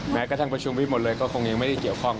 แม้กระทั่งประชุมไปหมดเลยก็คงยังไม่ได้เกี่ยวข้อง